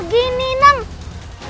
lagi ini nan